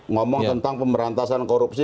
ngomong tentang pemberantasan korupsi